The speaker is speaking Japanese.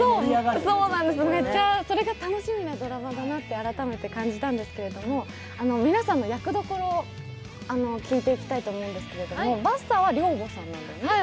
それが楽しみなドラマだなと改めて感じたんですけど、皆さんの役どころを聞いていきたいと思いますけれども、ばっさーは寮母さんなんだよね？